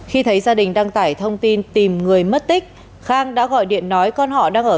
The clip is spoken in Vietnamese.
khi thấy gia đình đăng tải thông tin tìm người mất tích khang đã gọi điện nói con họ đang ở